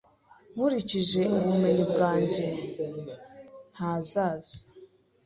Nkurikije ubumenyi bwanjye, ntazaza.